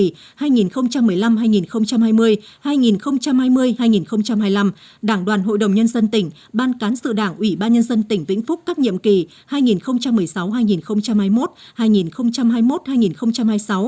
đảng đoàn hội đồng nhân dân tỉnh ban cán sự đảng ủy ban nhân dân tỉnh vĩnh phúc các nhiệm kỳ hai nghìn một mươi sáu hai nghìn hai mươi một hai nghìn hai mươi một hai nghìn hai mươi sáu